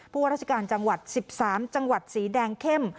ผู้ราชการจังหวัดสิบสามจังหวัดสีแดงเข้ม